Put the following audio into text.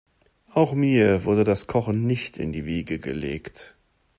Auch mir wurde das Kochen nicht in die Wiege gelegt.